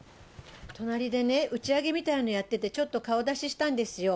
隣でね、打ち上げみたいのやってて、ちょっと顔出ししたんですよ。